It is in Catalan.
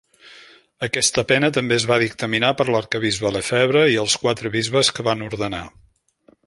Aquesta pena també es va dictaminar per l'arquebisbe Lefebvre i els quatre bisbes que van ordenar.